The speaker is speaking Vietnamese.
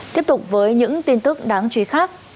tiếp tục với những tin tức đáng truy khác